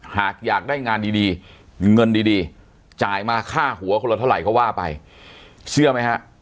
หากอยากได้งานดีเงินดีจ่ายมาค่าหัวคนละเท่าไหร่ก็ว่าไปเชื่อไหมฮะ